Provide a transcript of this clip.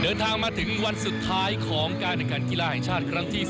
เดินทางมาถึงวันสุดท้ายของการแข่งขันกีฬาแห่งชาติครั้งที่๓